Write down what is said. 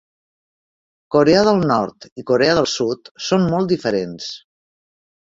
Corea del Nord i Corea del Sud són molt diferents.